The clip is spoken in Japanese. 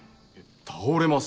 倒れます。